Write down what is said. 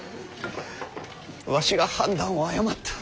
わしが判断を誤った。